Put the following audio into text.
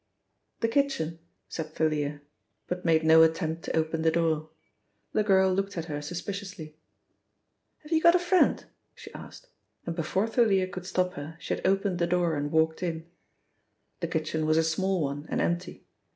"The kitchen," said Thalia, but made no attempt to open the door. The girl looked at her suspiciously, "Have you got a friend?" she asked, and before Thalia could stop her she had opened the door and walked in. The kitchen was a small one and empty.